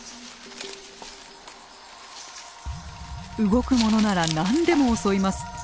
動くものなら何でも襲います。